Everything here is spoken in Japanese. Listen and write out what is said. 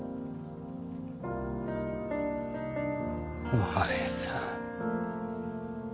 お前さん